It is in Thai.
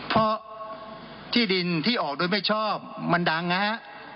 เพราะที่ดินที่ออกโดยไม่ชอบมันดังนะฮะ